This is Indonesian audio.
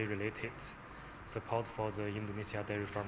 support untuk para pemakai daerah indonesia